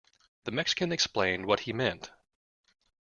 The Mexican explained what he meant.